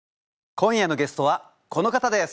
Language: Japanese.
今夜のゲストはこの方です。